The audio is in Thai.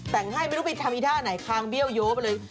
แต่งให้ไม่รู้ไปทำอีท่าไหนคางเบี้ยวโยไปเลย